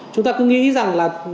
chúng ta cứ nghĩ rằng là